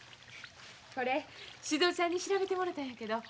これ静尾ちゃんに調べてもろたんやけど。